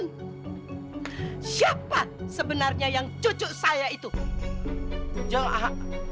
tanya dan minta kebenaran siapa gonna ke juhannya itu jangan kau